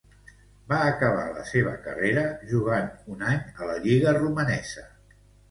Va acabar la seua carrera jugant un any a la lliga romanesa.